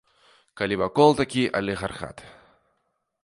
Калі вакол такі алігархат.